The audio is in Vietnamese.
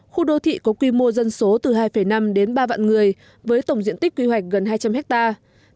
khu đô thị có quy mô dân số từ hai năm đến ba vạn người với tổng diện tích quy hoạch gần hai trăm linh hectare